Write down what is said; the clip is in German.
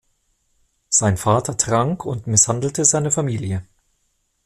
Sein Vater trank und misshandelte seine Familie.